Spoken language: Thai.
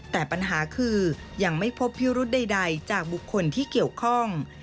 แต่ปัญหาคือยังไม่พบพิรุธใดจากบุคคลที่เกี่ยวข้อง